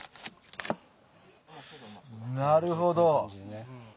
なるほど。